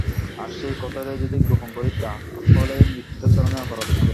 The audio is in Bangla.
আজ সেই কথাটাই যদি গোপন করি তা হলেই মিথ্যাচরণের অপরাধ হবে।